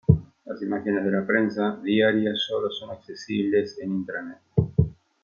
Las imágenes de la prensa diaria sólo son accesibles en Intranet.